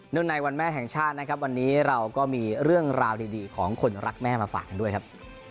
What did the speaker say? ในวันแม่แห่งชาตินะครับวันนี้เราก็มีเรื่องราวดีของคนรักแม่มาฝากกันด้วยครับ